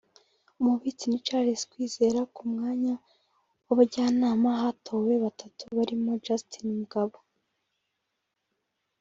Umubitsi ni Charles Kwizera ku mwanya w’abajyanama hatowe batatu barimo Justin Mugabo